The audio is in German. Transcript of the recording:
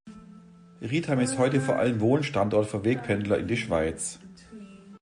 Riedheim ist heute vor allem Wohnstandort für Wegpendler in die Schweiz.